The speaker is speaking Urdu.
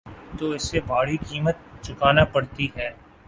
تو اسے بھاری قیمت چکانا پڑتی ہے۔